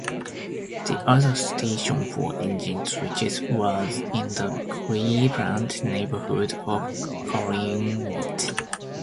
The other station for engine switches was in the Cleveland neighborhood of Collinwood.